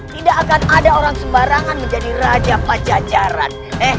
tidak akan ada orang sembarangan menjadi raja pajajaran